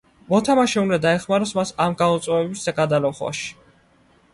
მოთამაშე უნდა დაეხმაროს მას ამ გამოწვევების გადალახვაში.